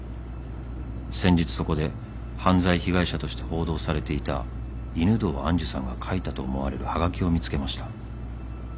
「先日そこで犯罪被害者として報道されていた犬堂愛珠さんが書いたと思われるはがきを見つけました」